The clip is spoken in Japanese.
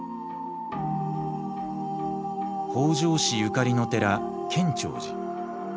北条氏ゆかりの寺建長寺。